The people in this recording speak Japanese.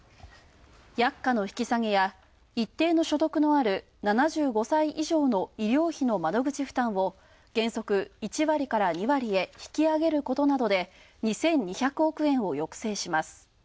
薬価の引き下げや一定の所得のある７５歳以上の医療費の窓口負担を原則、１割から２割へ引き上げることなどで２２００億円を抑制します。